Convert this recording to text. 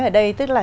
ở đây tức là